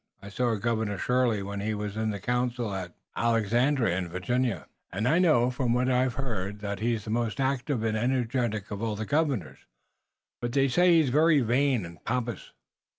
I saw Governor Shirley when he was in the council at Alexandria, in Virginia, and I know, from what I've heard, that he's the most active and energetic of all the governors, but they say he's very vain and pompous."